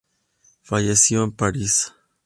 Falleció en París.